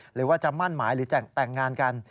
หรือว่าจะมั่นหมายหรือแต่งงานกัน